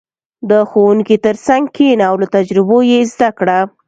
• د ښوونکي تر څنګ کښېنه او له تجربو یې زده کړه.